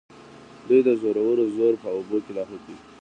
دوی د زورورو زور په اوبو کې لاهو کوي.